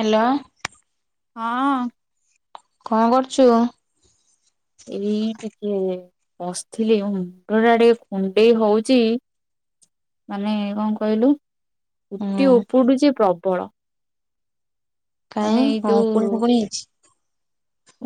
Hello. ହଁ। କଣ କରଚୁ? ଏଇ ଟିକେ ବସଥିଲି। ମୁଣ୍ଡ ଟା ଟିକେ କୁଣ୍ଡେଇ ହଉଚି। ମାନେ କଁ କହିଲୁ ଚୁଟି ହୁଁ ଉପୁଡୁଚି ପ୍ରବଳ। ମାନେ କାଇଁ ଏଇ କଣ ଉକୁଣୀ ଫୁକୁଣି ହେଇଛି?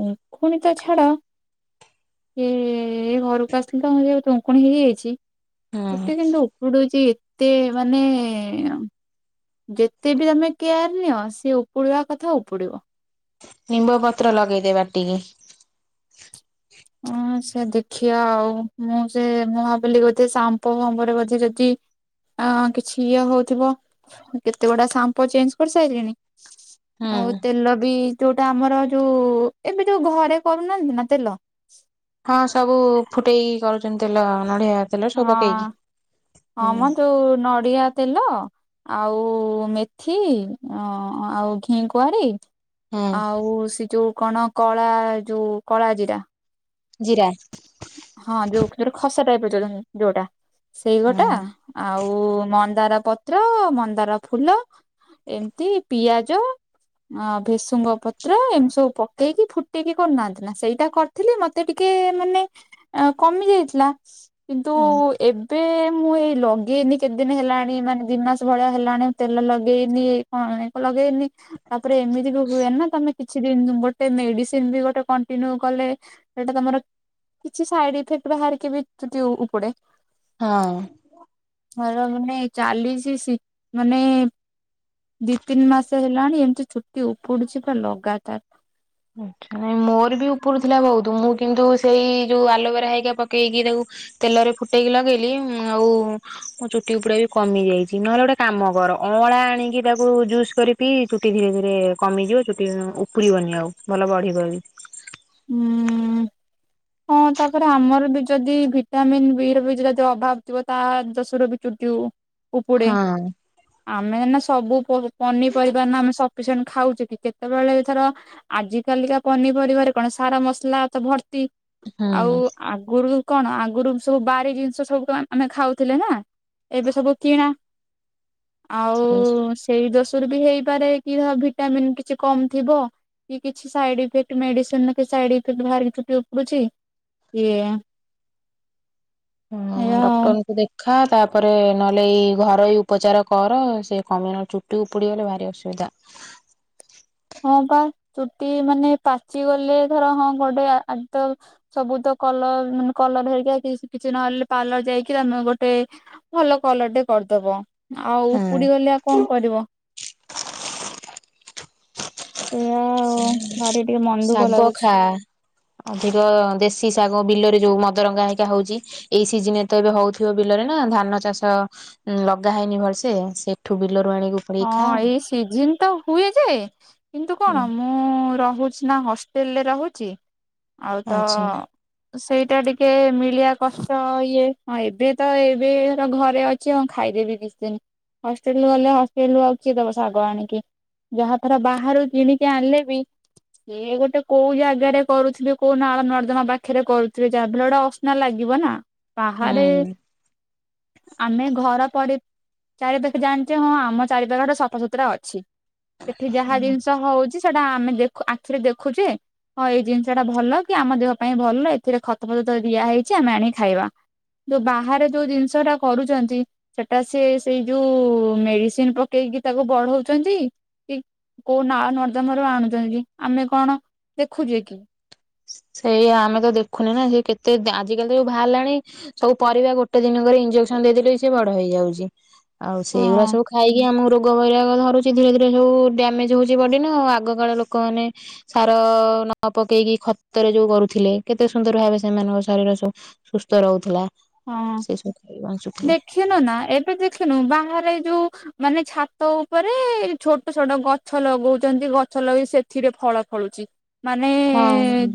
ଉଙ୍କୁଣିତ ଛାଡ। ହୁଁ ଏ ଘରକୁ ଆସିଥିଲି ତ ତମ ମୁଣ୍ଡରେ ଏତେ ଉଙ୍କୁଣି ଇଏ ହେଇଯାଇଛି ହୁଁ ଚୁଟି କେମତି ଉପଡୁଚି ଏତେ ମାନେ ଯେତେ ବି ତମେ କେୟାର ନିଅ ସିଏ ଉପୁଡିବା କଥା ଉପୁଡିବ। ନିମ୍ବପତ୍ର ଲଗେଇଦେ ବାଟିକି। ହଁ ସେ ଦେଖିବା ଆଉ ମୁଁ ସେ ମୁଭାବିଲି ବଧେ ସାମ୍ପୋ ଫାମ୍ପୋ ରେ ଯଦି ଅଁ କିଛି ଇଏ ହଉଥିବ। କେତେ ଗୁଡା ସାମ୍ପୋ ଚେଞ୍ଜ୍ କରିସାଇଲିଣି। ଆଉ ହୁଁ। ତେଲ ବି ଯୋଉଟା ଆମର ଯୋଉ ଏବେ ଯୋଉ ଘରେ କରୁନାହାନ୍ତି ନା ତେଲ? ହ ହଁ ସବୁ ଫୁଟେଇ କରୁଛନ୍ତି ତେଲ ନଡିଆ ତେଲ ସବୁ ହଁ ପକେଇକି ହ ହୁଁ। ମ ଯୋଉ ନଡ଼ିଆ ତେଲ ଆଉ ମେଥି ଆଉ ଘିଁ କୁଆଁରି। ହୁଁ ଆଉ ସେ ଯୋଉ କଣ କଳା ଯୋଉ କଳା ଜିରା। ଜିରା। ହଁ ଯୋଉ ଯୋଟା ଖସା ଟାଇପ୍ ର ଯଉଛନ୍ତି ଯୋଉଟା ସେଇ ଗୋଟା। ହୁଁ ଆଉ ମନ୍ଦାର ପତ୍ର ମନ୍ଦାର ଫୁଲ। ଏମତି ପିଆଜ। ଆ ଭୃସୁଙ୍ଗ ପତ୍ର ଏମିତି ସବୁ ପକେଇକି ଫୁଟେଇକି କରୁନାହାନ୍ତି ନା ସେଇଟା କର୍ ଥିଲି ମତେ ଟିକେ ମାନେ ଆଁ କମି ଯାଇଥିଲା। କିନ୍ତୁ ହୁଁ ଏବେ ମୁଁ ଏଇ ଲଗେଇନି କେତେ ଦିନ ହେଲାଣି ମାନେ ଦି ମାସ ଭଳିଆ ହେଲାଣି ମୁ ତେଲ ଲଗେଇନି ଏଇ କଣରେ କଲ୍ ଲଗେଇନି। ତାପରେ ଏମିତି ବି ହୁଏ ନା ତମେ କିଛି ଦିନ ଗୋଟେ ମେଡିସିନ ବି ଗୋଟେ କଣ୍ଟିନ୍ୟୁ କଲେ। ଏଇଟା ତମର କିଛି ସାଇଡ ଇଫେକ୍ଟ ବାହାରିକି ବି ଚୁଟି ଉପୁଡେ। ହଁ। ମର ମାନେ ଚାଲିଶ ସି ମାନେ ଦି ତିନି ମାସ ହେଲାଣି ଏମିତି ଚୁଟି ଉପୁଡୁଛି ପୁରା ଲଗାତାର। ଆଛା ମୋର ବି ଉପଡୁ ଥିଲା ବହୁତ ମୁଁ କିନ୍ତୁ ସେଇ ଯୋଉ ଆଲୋଭେରା ହେଇକା ପକେଇକି ତାକୁ। ତେଲରେ ଫୁଟେଇକି ଲଗେଇଲି ଆଉ। ମୋ ଚୁଟି ଉପୁଡା ବି କମି ଯାଇଛି ନହେଲେ ଗୋଟେ କାମ କର ଅଁଳା ଆଣିକି ତାକୁ ଜୁସ କରି। ପି ଧୀରେ ଧୀରେ କମିଯିବ ଚୁଟି ଉପୁଡି ବନି ଆଉ ଭଲ ବଢିବ ବି। ଉଁ। ହଁ ତାପରେ ଆମର ବି ଯଦି ଭିଟାମିନ୍ ବି ର ବି ଯଦି ଅଭାବ ଥିବ ତା ଦୋଶୁର ବି ଚୁଟି ଉ‌ ଉପଡ଼େ। ହଁ ଆମେ ଏଇନା ସବୁ ପ ପନିପରିବା ନା ଆମେ ସଫିସେଣ୍ଟ ଖାଉଚେ କି କେତେବେଳେ ଏଥର। ଆଜ କାଲିକା ପନିପରିବାରେ କଣ ସାର ମସଲା ତ ଭର୍ତ୍ତି ଆଉ ହୁଁ ଆଗରୁ। କଣ ଆଗରୁ ସବୁ ବାରି ଜିନିଷ ସବୁ ଆମେ ଖାଉଥିଲେ ନା ଏବେ ସବୁ କିଣା। ଆଉ। ସେ ସେଇ ଦୋଷରୁ ବି ହେଇପାରେ କି ହଁ ଭିଟାମିିନ କିଛି କମ୍ ଥିବ। କି କିଛି ସାଇଡ ଇଫେକ୍ଟ ମେଡିସିନ ର ତ ସାଇଡ ଇଫେକ୍ଟ ବାହାରି କି ଚୁଟି ଉ ପୁଡୁଛି ଇଏ। ହୁଁ ଏଇଆ ଆଉ ଡକ୍ଟରଙ୍କୁ ଦେଖ। ଖା ତାପରେ ନହେଲେ ଏଇ ଘର ଏଇ ଉପଚାର କର ସେ କମି ନହେଲେ ଚୁଟି ଉପୁଡିଗଲେ ଭାରି ଅସୁବିଧା। ହଁ ହଁ ବା ଚୁଟି ମାନେ ପାଚିଗଲେ ଧର ହଁ ଗୋଟେ ଆଦ। ସବୁ ତ କଲର ମାନେ କଲର ହେରିକା କିଛି ନହେଲେ ପାର୍ଲର ଯାଇକି ତମେ ଗୋଟେ। ଭଲ କଲର ଟେ କରିଦବ ଆଉ ହଁ ଉପୁଡି ଗଲେ ଆଉ କଣ କରିବ। ସେଇଆ। ହୁଁ ଭାରି ଟିକେ ମନ ଦୁଃଖ ଶାଗ ଲାଗୁଛି ଖା। ଅଧିକ ଦେଶୀ ଶାଗ ବିଲରେ ଯୋଉ ମଦରଙ୍ଗା ହେକା ହଉଛି। ଏଇ ସିଜିନରେ ତ ଏବେ ହଉଥିବ ବିଲରେ ନା ଧାନ ଚାଷ। ଲଗା ହେଇନି ଭଲସେ ସେ ସେଠୁ ବିଲରୁ ଆଣିବୁ। ହଁ ଏଇ ସିଜନ୍ ତ ହୁଏ ଯେ କିନ୍ତୁ କଣ। ମୁଁ ରହୁଛି ନା ହଷ୍ଟେଲରେ ରହୁଛି ଆଉ ତ। ଆଚ୍ଛା ସେଇଟା ଟିକେ ମିଳିବା କଷ୍ଟ ଇଏ ହଁ ଏବେ ତ ଏବେ ଘରେ ଅ ଅଛି ହଁ ଖାଇଦେବି କିଛି ଦିନ ହଷ୍ଟେଲ ଗଲେ ହ ହଷ୍ଟେଲ ରେ ଆଉ କିଏ ଦବ ଶାଗ ଆଣିକି ଯାହା ଧର ବାହାରୁ କିଣିକି ଆଣିଲେ ବି। ସେ ଗୋଟେ କୋଉ ଜାଗାରେ କରୁଥିବେ କୋଉ ନାଳ ନର୍ଦ୍ଦମା ପାଖେରେ କରୁଥିବେ ଯାହାବି ହେଲେ ସେଟା ଅ ସନା ଲାଗିବ ନା ବାହାରେ। ହୁଁ ଆମେ ଘର ପରେ ଚାରି ପାଖେ ଜାଣିଛେ ହଁ ଆମର ଚାରି ପାଖ ଟା ସଫାସୁତୁରା ଅଛି ସେଠି ଯାହା ଜିନିଷ ହଉଛି। ସେଟା ଆମେ ଦେଖୁ ଆଖିରେ ଦେଖୁଛେ। ହଁ ଏଇ ଜିନିଷ ଟା ଭଲ କି ଆମ ଦେହ ପାଇଁ ଭଲ ଏଥିରେ ଖତଫତ ତ ଦିଆ ହେଇଛି ଆମେ ଆଣିକି ଖାଇବା। ଯୋଉ ବାହାରେ ଯୋଉ ଜିନିଷ ଟା କରୁଛନ୍ତି ସେଟା ସିଏ ସେଇ ଯୋଉ ମେଡିସିନ ପ ପକେଇକି ତାକୁ ବଢଉଛନ୍ତି କି କୋଉ ନାଳ ନର୍ଦ୍ଦମା ରୁ ଆଣୁଛନ୍ତି କି ଆମେ କଣ ଦେଖୁଛେ କି। ସେଇଆ ଆମେ ତ ଦେଖୁନେ ନା ସେ କେତେ ଆଜି କାଲି ତ ଯୋଉ ବାହାଲାଣି। ସବୁ ପରିବା ଗୋଟେ ଦିନକରେ ଇଞ୍ଜେକ୍ସନ ଦେଇଦେଲେ ବି ସେ ବଡ ହେଇଯାଉଛି। ଆଉ ହଁ ସେଇଗୁରା ସବୁ ଖାଇକି ଆମକୁ ରୋ ରୋଗ ବୈରାଗ ବାହାରୁଛି ଧୀରେ ଧୀରେ ସବୁ ଡ୍ୟାମେଜ ହଉଛି ବଡି ନା ଆଉ ଆଗକାଳ ଲୋକମାନେ ସାର ନ ପକେଇକି ଖ ତ ରେ ଯୋଉ କରୁଥିଲେ କେତେ ସୁନ୍ଦର ଭାବେ ସେମାନଙ୍କ ଶରୀର ସବୁ ସୁସ୍ଥ ରହୁଥିଲା। ହଁ ସେ ସବୁ ଖାଇ ବଞ୍ଚୁଥିଲେ। ଦେଖିନୁ ନା ଏବେ ଦେଖିନୁ ବାହାରେ ଯୋଉ। ମାନେ ଛାତ ଉପରେ ଛୋଟ ଛୋଟ ଗଛ ଲଗଉଛନ୍ତି ଗଛ ଲଗେଇ ସେଥିରେ ଫଳ ଫଳୁଛି। ମାନେ ହଁ-ହଁ।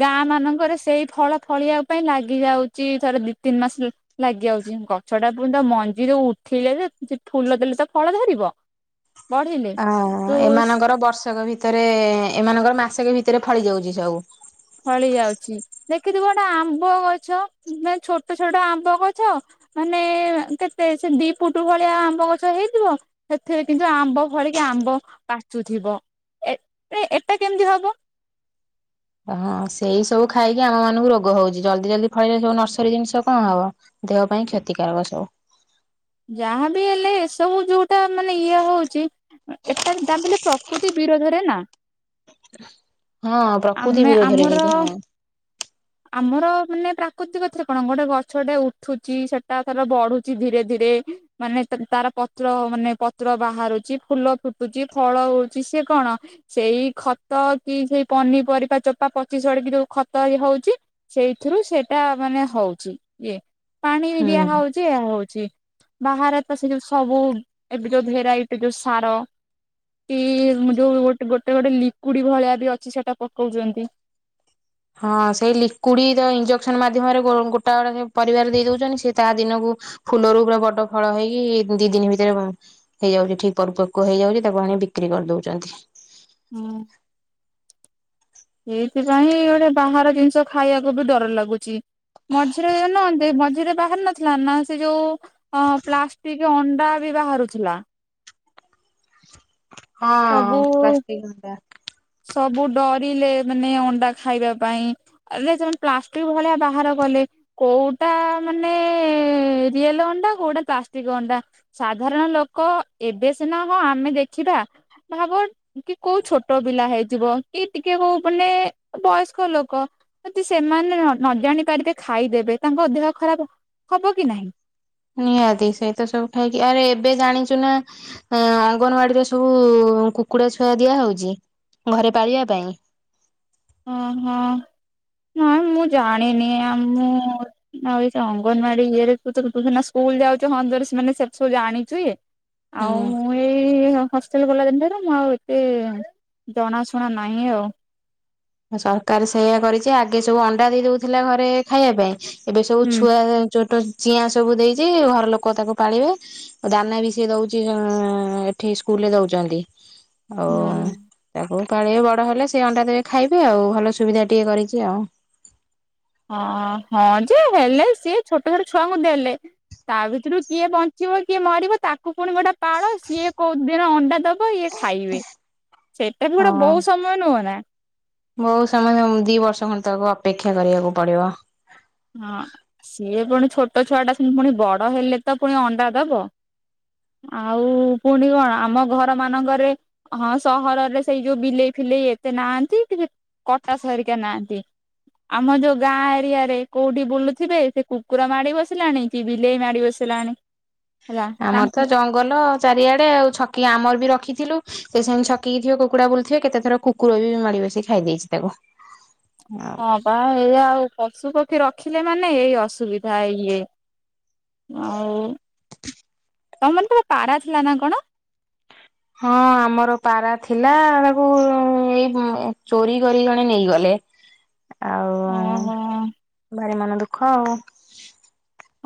ଗାଁ ମାନଙ୍କରେ ସେଇ ଫଳ ଫଳିିବା ପାଇଁ ଲାଗି ଯାଉ କି ଥରେ ଦି ତିିନ ମାସରେ। ଲାଗିଯାଉଛି ଗଛ ଟା ପୁଣି ତ ମଞ୍ଜିରୁ ଉଠେଇଲେ ଯେ ଫୁଲ ଦେଲେ ତ ଫଳ ଧରିବ। ବଢିଲେ ଅ ତୁ ଏମାନଙ୍କର ବର୍ଷକ ଭିତରେ ଏମାନଙ୍କର ମାସେକେ ଭିତରେ ଫଳି ଯାଉଛି ସବୁ। ଫଳି ଯାଉଛି ଦେଖିଥିବ ଗୋଟେ ଆମ୍ବ ଗଛ ନା ଛୋଟ ଛୋଟ ଆମ୍ବ ଗଛ। ମାନେ କେତେ ସେ ଦି ଫୁଟ ଭଳିଆ ଆମ୍ବ ଗଛ ହେଇଥିବ। ସେଥିରେ କିନ୍ତୁ ଆମ୍ବ ଫଳିକି ଆମ୍ବ ପାଚୁଥିବ ଏ ଏଟା କେମିତି ହବ। ହଁ ସେଇ ସବୁ ଖାଇକି ଆମ ମାନଙ୍କୁ ରୋଗ ହଉଛି। ଜଲଦି ଜଲଦି ଫଳିଲେ ସବୁ ନର୍ସରୀ ଜିନିଷ କଣ ହବ? ଦେହ ପାଇଁ କ୍ଷତିକାରକ ସବୁ। ଯାହାବି ହେଲେ ଏସବୁ ଯୋଉଟା ମାନେ ଇଏ ହଉଛି। ଏଟା ତା ବେଲେ ପ୍ରକୃତି ବିରୋଧରେ ନା। ହଁ ପ୍ରକୃତି ଆମେ ବିରୋଧରେ ଆମର କିନ୍ତୁ ହଁ। ଆମର ମାନେ ପ୍ରାକୃତିକ ଥରେ କଣ ଗୋଟେ ଗଛଟେ ଉଠୁଛି ସେଟା ଥର ବଢୁଛି ଧୀରେ ଧୀରେ। ମାନେ ତା ତାର ପତ୍ର ମାନେ ପତ୍ର ବାହାରୁଛି ଫୁଲ ଫୁଟୁଛି ଫଳ ହଉଛି ସିଏ କଣ ସେଇ ଖତ କି ସେଇ ପନିପରିବା ଚୋପା ପଚି ସଢ଼ିକି କି ଯୋଉ ଖତ ହେଇ ହଉଛି। ସେଇଥିରୁ ସେଇଟା ମାନେ ହଉଛି ଇଏ ପାଣି ଦିଆ ହୁଁ। ହଉଛି। ଦିଆ ହଉଛି ବାହାରେ ତ ସେ ଯୋଉ ସବୁ ଏବେ ଯୋଉ ଭେରାଇଟି ଯୋଉ ସାର। ଇ ଯୋଉ ଗୋଟେ ଗୋଟେ ଲିକୁଇଡି ଭଳିଆ ବି ଅଛି ସେଟା ପକଉଛନ୍ତି। ହଁ ସେଇ ଲିକୁଇଡ ତ ଇଞ୍ଜେକ୍ସନ ମାଧ୍ୟମରେ ଗୋଟା ଗୋଟେ ପରିବାରେ ଦେଇ ଦଉଛନ୍ତି। ସେ ତା ଦିନକୁ ଫୁଲରୁ ପୁରା ବଡ ଫଳ ହେଇକି ଦି ଦିନ ଭିତରେ ବ ହେଇଯାଉଛି ଠିକ ପରିପକୋ ହେଇଯାଉଛି ତାକୁ ଆଣି ବିକ୍ରି କରିଦଉଛନ୍ତି। ହଁ। ସେଇଥିପାଇଁ ଗୋଟେ ବାହାର ଜିନିଷ ଖାଇବାକୁ ବି ଡର ଲାଗୁଛି। ମଝିରେ ଯୋଉ ନୁହଁ ମଝିରେ ବାହାରି ନଥିଲା ନା ସେ ଯୋଉ ହଁ ପ୍ଲାଷ୍ଟିକ ଅଣ୍ଡା ବି ବାହାରୁଥିଲା। ସବୁ ହଁ ପ୍ଲାଷ୍ଟିକ୍ ଅଣ୍ଡା। ସବୁ ଡରିଲେ ମାନେ ଅଣ୍ଡା ଖାଇବା ପାଇଁ। ଏଇ ଯୋଉ ପ୍ଲାଷ୍ଟିକ ଭଳିଆ ବାହାର କଲେ। କୋଉଟା ମାନେ ରିଏଲ ଅଣ୍ଡା କୋଉଟା ପ୍ଲାଷ୍ଟିକ ଅଣ୍ଡା। ସାଧାରଣ ଲୋକ ଏବେ ସିନା ହଁ ଆମେ ଦେଖିବା। ଭାବ କି କୋଉ ଛୋଟ ପିଲା ହେଇଥିବ କି ଟିକେ କୋଉ ମାନେ ବୟସ୍କ ଲୋକ ଯଦି ସେମାନେ ନ ଜାଣି ପାରିବେ ଖାଇଦେବେ ତାଙ୍କ ଦେହ ଖରାପ ହବ କି ନାହିଁ। ନିହାତି ସେଇତ ସବୁ ଖାଇକି ଆରେ ଏବେ ଜାଣିଛୁ ନା ଅ ଅଙ୍ଗନବାଡିରେ ସବୁ କୁକୁଡା ଛୁଆ ଦିଆ ହଉଛି ଘରେ ପାଳିବା ପାଇଁ। ଓହୋ ନାଇ ମୁଁ ଜାଣିନି ଆମ ଆଇ ଅଙ୍ଗନବାଡି ଇଏରେ ତୁ ସ୍କୁଲ ଯାଉଛୁ ହ ସେ ସେ ସବୁ ଜାଣିଛୁ ଆଉ ହୁଁ ମୁଁ ଏଇ ତାଙ୍କ ସ୍କୁଲ୍ ତାଲେ ଗଲା ଦିନଟାରୁ ମୁଁ ଆଉ ଏତେ ଜଣାଶୁଣା ନାହିଁ ଆଉ। ସରକାର ସେଇୟା କରିଛି ଆଗେ ସବୁ ଅଣ୍ଡା ଦେଇ ଦଉଥିଲା ଘରେ ଖାଇବା ପାଇଁ ଏବେ ସବୁ ହୁଁ ଛୁଆ ଛୋଟ ଚିଆଁ ସବୁ ଦେଇଛି ଘର ଲୋକ ତାକୁ ପାଳିବେ। ଦାନା ବି ସେ ଦଉଛି ଅ ଏଠି ସ୍କୁଲରେ ଦଉଛନ୍ତି। ଆଉ ହୁଁ ତାକୁ କାଳେ ବଡ ହେଲେ ସେ ଅଣ୍ଡା ଦେବେ ଖାଇବେ ଆଉ ଭଲ ସୁବିଧା ଟିକେ କରିଛି ଆଉ। ହଁ, ହଁ ଯେ ହେଲେ ସିଏ ଛୋଟ ଛୋଟ ଛୁଆଙ୍କୁ ଦେଲେ। ତା ଭିତରୁ କିଏ ବଞ୍ଚିବ କିଏ ମରିବ ତାକୁ ପୁଣି ଗୋଟେ ପାଳ ସିଏ କୋଉ ଦିନ ଅଣ୍ଡା ଦବ ଇଏ ଖାଇବେ ସେଇଟା ବି ଗୋଟେ ହଁ ବହୁତ ସମୟ ନୁହଁ ନା। ବହୁତ ସମୟ ଦି ବର୍ଷ ଖଣ୍ଡେ ତାକୁ ଅପେକ୍ଷା କରିବାକୁ ପଡିବ। ହଁ, ସିଏ ପୁଣି ଛୋଟ ଛୁଆ ଟା ସେତି ପୁଣି ବଡ ହେଲେ ତ ପୁଣି ଅଣ୍ଡା ଦବ। ଆଉ ପୁଣି କଣ ଆମ ଘର ମାନଙ୍କରେ ହଁ ସହରରେ ସେଇ ଯୋଉ ବିଲେଇ ଫିଲେଇ ଏତେ ନାହାନ୍ତି କି କଟାସ ହେରିକା ନାହାନ୍ତି ଆମ ଯୋଉ ଗାଁ ଏରିଆରେ କୋଉଠି ବୁଲୁଥିବେ। ସେ କୁକୁର ମାଡି ବସିଲାଣି କି ବିଲେଇ ମାଡି ବସିଲାଣି। ହେଲା ଆମର ତାଙ୍କୁ ତ ଜଙ୍ଗଲ ଚାରିଆଡେ ଆଉ। ଛକି ଆମର ବି ରଖିଥିଲୁ। ସେ ସେଙ୍ଗ ଛକି ଥିବେ କୁକୁଡା ବୁଲଥିବେ। କେତେ ଥର କୁକୁର ବି ମାଡି ବସିି ଖାଇ ଦେଇଛି ତାକୁ। ଆଉ। ହଁ ବା ଏଇ ଆଉ ପଶୁ ପକ୍ଷୀ ରଖିଲେ ମାନେ ଏଇ ଅସୁବିଧା ଇଏ। ଆଉ ତମ ମ ତ ପାରା ଥିଲା ନା କଣ। ହଁ ଆମର ପାରା ଥିଲା। ତାକୁ ଏଇ ଚୋରି କରି ଜଣେ ନେଇଗଲେ। ଆଉ ଓହୋ ଭାରି ମନ ଦୁଃଖ ଆଉ।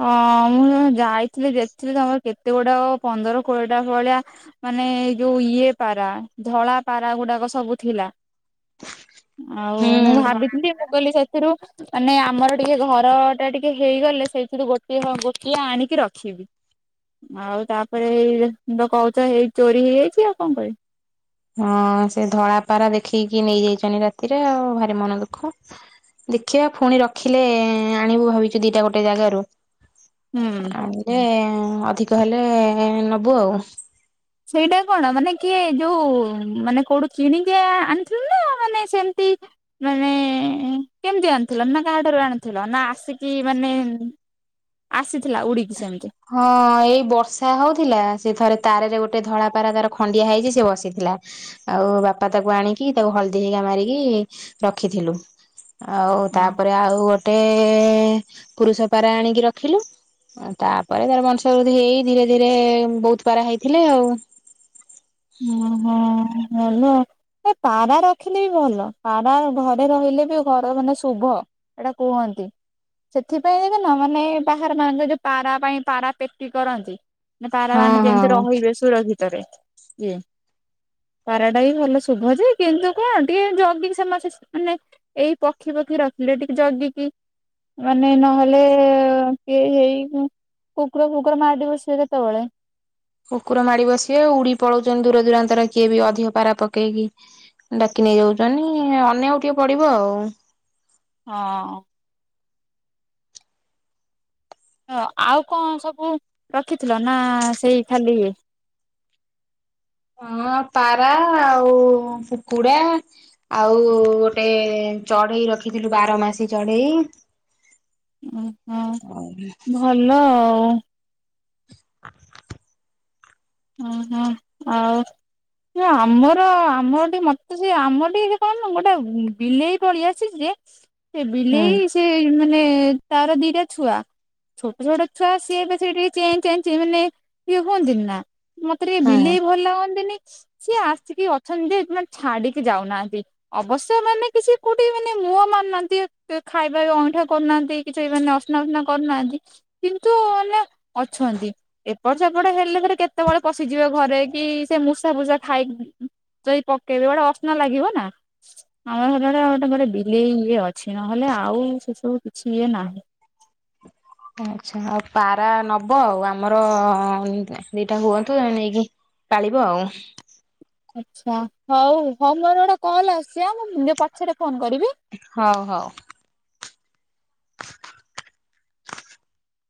ହଁ ମୁଁ ଯାଇଥିଲି ଯେଥିଲି ତମର କେତେ ଗୁଡା ପନ୍ଦର କୋଡିଏ ଟା ଭଳିଆ ମାନେ ଯୋଉ ଇଏ ପାରା। ଧଳା ପାରା ଗୁଡାକ ସବୁ ଥିଲା। ଆଉ ମୁଁ ଭାବିଥିଲି ମୁଁ କଲି ସେଥିରୁ ମାନେ ଆମର ଟିକେ ଘର ଟା ଟିକେ ହେଇଗଲେ। ସେଇ ସେଠୁ ଗୋଟିଏ ଗୋଟିଏ ଆଣିକି ରଖିବି। ଆଉ ତାପରେ ଏଇ ତ କହୁଛ ଏଇ ଚୋରି ହେଇଯାଇଛି। ଆଉ କଣ କରିବି? ହଁ ସେ ଧଳା ପାରା ଦେଖିକି ନେଇଯାଇଛନ୍ତି। ରାତିରେ ଆଉ ଭାରି ମନ ଦଃଖ। ଦେଖିବା ପୁଣି ରଖିଲେ ଆଣିବୁ ଭାବିଛୁ ଦିଟା ଗୋଟେ ଜାଗାରୁ। ହୁଁ ଆଣିଲେ ଅଧିକ ହେଲେ ନବୁ ଆଉ। ସେଇଟା କଣ ମାନେ କିଏ ଯୋଉ ମାନେ କୋଉଠୁ କିଣିକି ଆଣିଥିଲୁ। ନା ମାନେ ସେମିତି ମାନେ କେମତି ଆଣିଥିଲ? ନା କାହା ଠାରୁ ଆଣିଥିଲ। ନା ଆସିକି ମାନେ ଆସିଥିଲା ଉଡିକି ସେମିତି। ହଁ ଏଇ ବର୍ଷା ହଉଥିଲା ସେ ଥରେ ତାରରେ ଗୋଟେ ଧଳା ପାରା ତାର ଖଣ୍ଡିଆ ହେଇଛି ସେ ବସିଥିଲା। ଆଉ ବାପା ତାକୁ ଆଣିକି ତାକୁ ହଳଦୀ ହେଇକା ମାରିକି ରଖିଥିଲୁ। ଆଉ ହଁ। ତାପରେ ଆଉ ଗୋଟେ ପୁରୁଷ ପାରା ଆଣିକି ରଖିଲୁ। ଆଉ ତା ପରେ ତାର ବଂଶ ବୃଦ୍ଧି ହେଇ ଧୀରେ ଧୀରେ ବହୁତ ପାରା ହେଇଥିଲେ ଆଉ। ଓହୋ ଭଲ। ଏ ପାରା ରଖିଲେ ବି ଭଲ। ପାରା ଘରେ ରହିଲେ ବି ଘର ମାନେ ଶୁଭ। ଏଇଟା କୁହନ୍ତି। ସେଥିପାଇଁ ଯବେ ନା ମାନେ ବାହାର ମାନଙ୍କ ଯୋଉ ପାରା ପାଇଁ ପାରା ପେଟି କରନ୍ତି। ପାରା ହଁ ମାନେ ଯେମତି ହଁ। ରହିିବେ ସୁୁରକ୍ଷିତରେ। ପାରାଟା ବି ଭଲ ଶୁଭ ଯେ। କିନ୍ତୁ କଣ ଟିକେ ଜଗି ମାନେ ଏଇ ପକ୍ଷୀ ପକ୍ଷୀ ରଖୀଥିଲେ ଟିକେ ଜଗିକି। ମାନେ ନହେଲେ କିଏ ହେଇ କୁକୁର ଫୁକୁର ମାଡି ବସିବେ କେତେବେଳେ। କୁକୁର ମାଡି ବସିବେ। ଉଡି ପଳଉଛନ୍ତି ଦୂର ଦୂରାନ୍ତରେ କିଏ ବି ଅଧିକ ପାରା ପକେଇକି। ଡାକି ନେଇ ଯାଉଛନ୍ତି। ଅନ୍ୟକୁ ଟିକେ ପଡିବ ଆଉ। ହଁ। ହ ଆଉ କଣ ସବୁ ରଖିଥିଲ ନା ସେଇ ଖାଲି ଇଏ। ହଁ ପାରା ଆଉ କୁକୁଡା। ଆଉ ଗୋଟେ ଚଢେଇ ରଖିଥିଲୁ। ବାର ମାସୀ ଚଢେଇ। ଓହୋ ଭଲ ଆଉ। [inaudible] ଉଁ ହୁଁ ଆଉ। ନା ଆମର ଆମର ଟିକେ ମତେ ସେ ଆମ ଟିକେ କଣ ନା ଗୋଟେ ବିଲେଇ ପଳିଆସି ଥିଲେ ଯେ ସେ ହୁଁ ବିଲେଇ ସେ ମାନେ ତାର ଦିଟା ଛୁଆ। ଛୋଟ ଛୋଟ ଛୁଆ ସିଏବେ ସେ ଟିକେ ଚଁ ଚାଁଁ ମାନେ ଇଏ ହୁଅନ୍ତିନି ନାଁ। ମତେ ଟିକେ ହଁ। ବିଲେଇ ଭଲ ଲାଗନ୍ତିନି। ସିଏ ଆସିକି ଅଛନ୍ତି ଯେ ଛାଡିକି ଯାଉନାହାନ୍ତି। ଅବଶ୍ୟ ମାନେ କିଛି କୋଉଠି ମାନେ ମୁହଁ ମାନିନାହାନ୍ତି ଖାଇବା ଅଇଁଠା କରୁନାହାନ୍ତି। କିଛି ମାନେ ଅସ୍ନା ଉସ୍ନା କରୁନାହାନ୍ତି। କିନ୍ତୁ ମାନେ ଅଛନ୍ତି। ଏପଟ ସେପଟ ହେଲେ ପରେ କେତେ କେତେବେଳେ ପଶିଯିବେ ଘରେ। କି ସେ ମୂଷା ଫୂଷା ଖାଇ ସେଇ ପକେଇବେ ଗୋଟେ ଅସନା ଲାଗିବ ନା। ଆମ ଘରରେ ଗୋଟେ ଘରେ ବିଲେଇ ଇଏ ଅଛି ନହେଲେ ଆଉ ସେ ସବୁ କିଛି ଇଏ ନାହିଁ। ଓହୋ ଆଚ୍ଛା ଆଉ ପାରା ନବ ଆଉ ଆମର [unintelligible] ଦିଟା ହୁଅନ୍ତୁ ତମେ ନେଇକି। ପାଳିବ ଆଉ। ଆଚ୍ଛା ହଉ ହଉ ମୋର ଗୋଟେ କଲ ଆସୁଚି ଆଁ ମୁଁ ବ ପଛରେ ଫୋନ କରିବି। ହଉ ହଉ।